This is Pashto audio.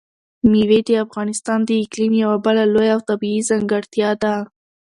مېوې د افغانستان د اقلیم یوه بله لویه او طبیعي ځانګړتیا ده.